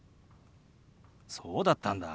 そうだったんだ。